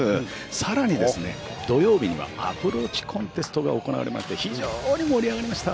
さらにですね、土曜日にはアプローチコンテストが行われまして非常に盛り上がりました。